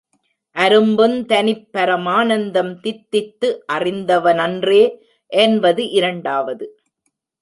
அரும்புந் தனிப் பரமானந்தம் தித்தித்து அறிந்தவன்றே என்பது இரண்டாவது.